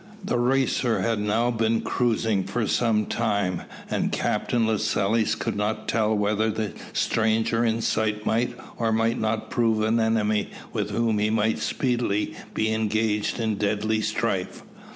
The Racer had now been cruising for some time, and Captain Lascelles could not tell whether the stranger in sight might or might not prove an enemy with whom he might speedily be engaged in deadly strife.